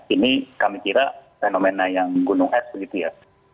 ini kami kira fenomena yang gunung es begitu ya